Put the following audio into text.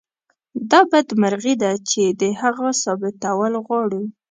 دا بدمرغي ده چې د هغو ثابتول غواړو.